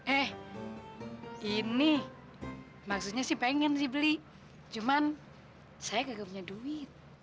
eh ini maksudnya sih pengen sih beli cuman saya gak punya duit